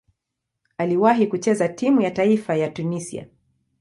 Aliwahi kucheza timu ya taifa ya Tunisia.